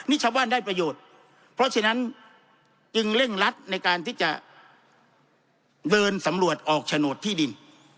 นี่ชาวบ้านได้ประโยชน์เพราะฉะนั้นจึงเร่งรัดในการที่จะเดินสำรวจออกโฉนดที่ดิน